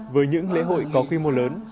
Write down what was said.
với những lễ hội có quy mô lớn